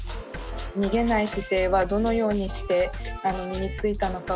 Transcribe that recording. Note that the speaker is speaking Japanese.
逃げない姿勢はどのようにして身についたのかを。